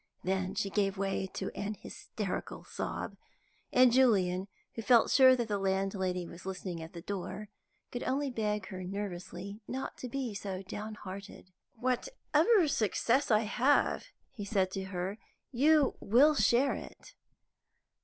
Then she gave way to an hysterical sob, and Julian who felt sure that the landlady was listening at the door could only beg her nervously not to be so down hearted. "Whatever success I have," he said to her, "you will share it."